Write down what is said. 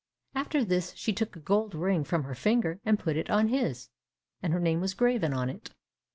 After this she took a gold ring from her finger, and put it on his, and her name was graven on it.